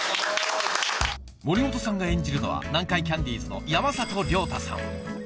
森本さんが演じるのは南海キャンディーズの山里亮太さん